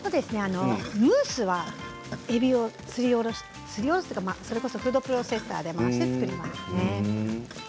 ムースはえびをすりおろすというかフードプロセッサーで回して作ります。